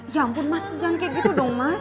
ya ampun mas hujan kayak gitu dong mas